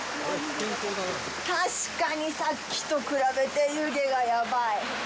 確かに、さっきと比べて湯気がやばい。